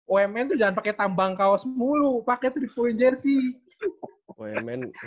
umn tuh jangan pake tambang kaos mulu pake tiga point jersey